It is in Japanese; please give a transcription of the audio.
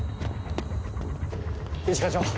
一課長